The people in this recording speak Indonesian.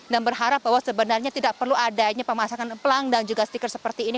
dan berharap bahwa sebenarnya tidak perlu adanya pemasangan pelang dan juga stiker seperti ini